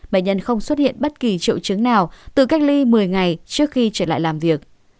bệnh nhân không xuất hiện bất kỳ triệu chứng nào tự cách ly một mươi ngày trước khi trở lại làm việc